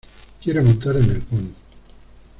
Quiero montar en el pony.